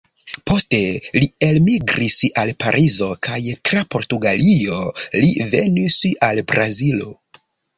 Poste li elmigris al Parizo kaj tra Portugalio li venis al Brazilo.